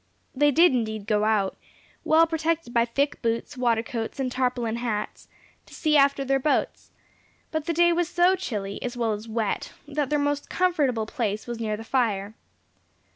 They did indeed go out, well protected by thick boots, watercoats, and tarpaulin hats, to see after their boats; but the day was so chilly, as well as wet, that their most comfortable place was near the fire.